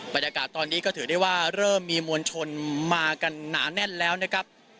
บรรยากาศตอนนี้ก็ถือได้ว่าเริ่มมีมวลชนมากันหนาแน่นแล้วนะครับ